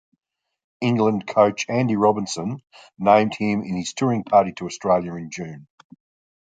England coach Andy Robinson named him in his touring party to Australia in June.